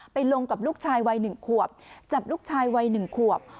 ไปลงกับลูกชายวัยหนึ่งขวบจับลูกชายวัยหนึ่งขวบ